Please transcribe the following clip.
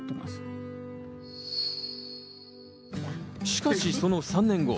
しかしその３年後。